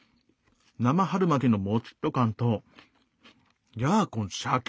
生春巻きのモチッと感とヤーコンシャキシャキ！